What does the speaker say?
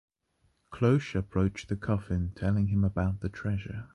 Cloche approached Coffin telling him about the treasure.